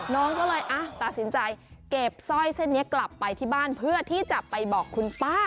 น้องก็เลยตัดสินใจเก็บสร้อยเส้นนี้กลับไปที่บ้านเพื่อที่จะไปบอกคุณป้า